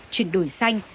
chuyển đổi xanh